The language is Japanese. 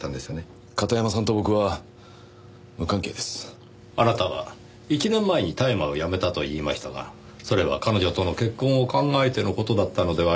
片山さんと僕は無関係です。あなたは１年前に大麻をやめたと言いましたがそれは彼女との結婚を考えての事だったのではありませんか？